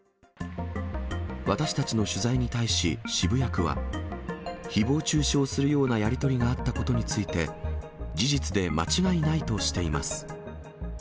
私たちの取材に対し、渋谷区は、ひぼう中傷するようなやり取りがあったことについて、事実で間違いないとしています。